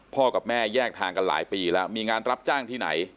กับแม่แยกทางกันหลายปีแล้วมีงานรับจ้างที่ไหน